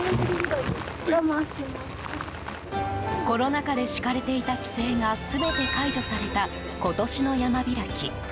コロナ禍で敷かれていた規制が全て解除された、今年の山開き。